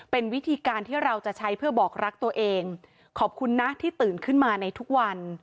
เป็นวิธีการที่เราจะใช้เพื่อบอกรักตัวเองขอบคุณนะที่ตื่นขึ้นมาในทุกวัน